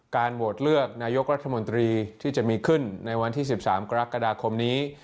โหวตเลือกนายกรัฐมนตรีที่จะมีขึ้นในวันที่๑๓กรกฎาคมนี้